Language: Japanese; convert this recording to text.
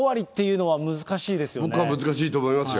僕は難しいと思いますよ。